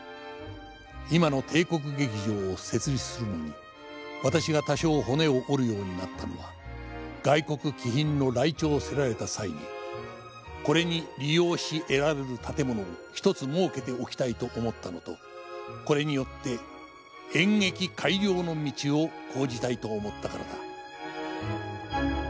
今の帝国劇場を設立するのに私が多少骨を折るようになったのは外国貴賓の来朝せられた際にこれに利用し得らるる建物を一つ設けておきたいと思ったのとこれによって演劇改良の道を講じたいと思ったからだ」。